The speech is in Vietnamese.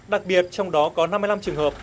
đặc biệt trong đó có năm mươi năm trường hợp